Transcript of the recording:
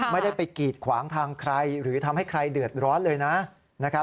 ไม่ได้ไปกีดขวางทางใครหรือทำให้ใครเดือดร้อนเลยนะ